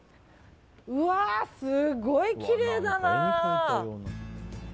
うわあ、すごいきれいだな！